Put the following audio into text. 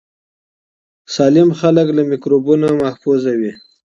سالم خلک له میکروبونو محفوظ وي.